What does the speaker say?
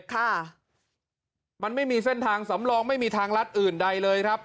ค่ะมันไม่มีเส้นทางสำรองไม่มีทางลัดอื่นใดเลยครับ